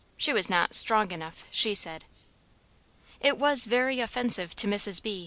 She was not "strong enough," she said. It was very offensive to Mrs. B.